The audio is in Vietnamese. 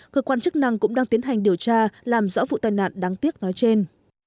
cơ quan chức năng cũng đang tiến hành điều tra làm rõ vụ tai nạn đáng tiếc nói trên